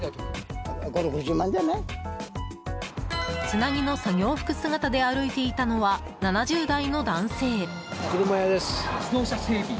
つなぎの作業服姿で歩いていたのは、７０代の男性。